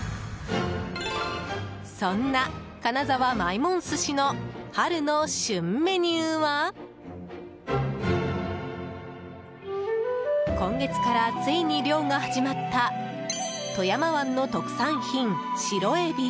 そんな、金沢まいもん寿司の春の旬メニューは今月からついに漁が始まった富山湾の特産品、白エビ。